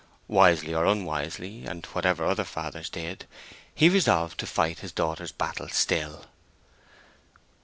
Wisely or unwisely, and whatever other fathers did, he resolved to fight his daughter's battle still.